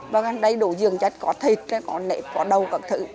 và đây đồ dường chắc có thịt có nếp có đầu có thử